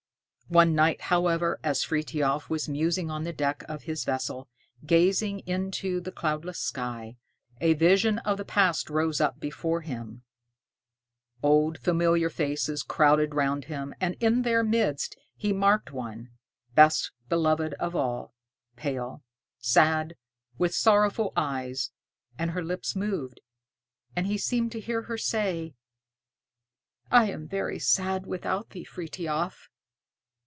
One night, however, as Frithiof was musing on the deck of his vessel, gazing into the cloudless sky, a vision of the past rose up before him: old familiar faces crowded round him, and in their midst he marked one, best beloved of all, pale, sad, with sorrowful eyes; and her lips moved, and he seemed to hear her say, "I am very sad without thee, Frithiof."